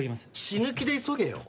死ぬ気で急げよ。